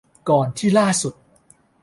ก่อนที่ล่าสุด